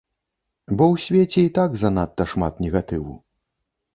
Бо ў свеце і так занадта шмат негатыву.